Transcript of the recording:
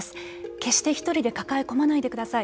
決して１人で抱え込まないでください。